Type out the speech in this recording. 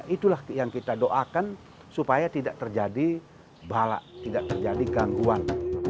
itulah yang kita doakan supaya tidak terjadi balak tidak terjadi gangguan